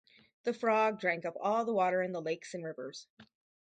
The frog drank up all the water in the lakes and rivers.